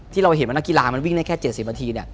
ที่เราเห็นว่านักกีฬามันวิ่งได้แค่๗๐นาที